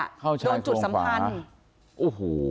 เข้าชายโครงขวาโดนจุดสัมพันธ์โอ้โห